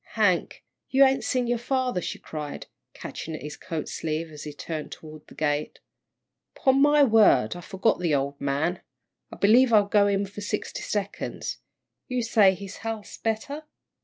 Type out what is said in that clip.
"Hank, you ain't seen your father," she cried, catching at his coat sleeve, as he turned toward the gate. "'Pon my word, I forgot the old man. I believe I'll go in for sixty seconds. You say his health's better?"